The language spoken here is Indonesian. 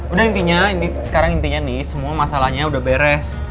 udah intinya ini sekarang intinya nih semua masalahnya udah beres